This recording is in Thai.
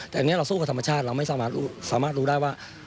แต่อันนี้เราสู้กับธรรมชาติเราไม่สามารถรู้ได้ว่า